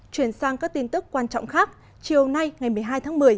chuyển sang các tin tức quan trọng khác chiều nay ngày một mươi hai tháng một mươi